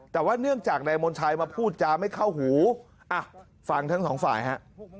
แต่ว่าเนื่องจากนายมณชัยมาพูดจาไม่เข้าหูอ่ะฟังทั้งสองฝ่ายฮะ